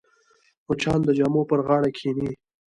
مچان د جامو پر غاړه کښېني